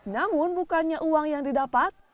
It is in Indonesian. namun bukannya uang yang didapat